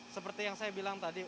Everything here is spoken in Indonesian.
seperti yang saya bilang tadi